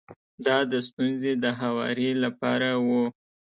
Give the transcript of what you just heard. دا د ستونزې د هواري لپاره و.